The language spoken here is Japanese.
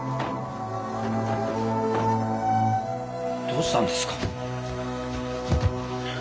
どうしたんですか？